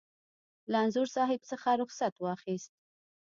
له انځور صاحب څخه رخصت واخیست.